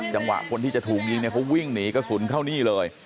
จังหวะคนที่จะถูกยิงเนี่ยเขาวิ่งหนีกระสุนเข้านี่เลย